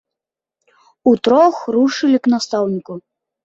Утрох рушылі к настаўніку.